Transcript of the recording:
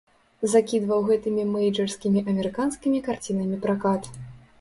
Закідваў гэтымі мэйджарскімі амерыканскімі карцінамі пракат.